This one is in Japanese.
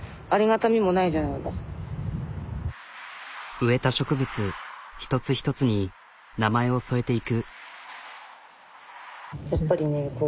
植えた植物一つ一つに名前を添えていく。